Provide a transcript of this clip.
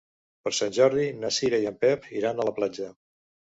Per Sant Jordi na Cira i en Pep iran a la platja.